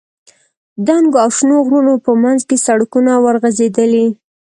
دنګو او شنو غرونو په منځ کې سړکونه ورغځېدلي.